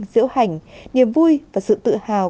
diễu hành niềm vui và sự tự hào